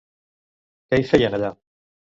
Què hi feien, allà?